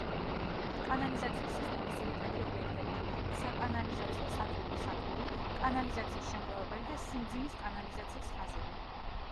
კანალიზაციის სისტემის ძირითადი ობიექტებია: საკანალიზაციო სატუმბი სადგური, კანალიზაციის შემგროვებელი და სიმძიმის კანალიზაციის ხაზები.